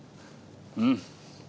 うん。